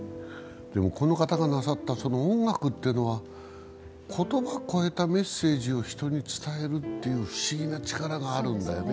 この方がなさった音楽というのは、言葉を超えたメッセージを人に伝えるっていう不思議な力があるんだよね。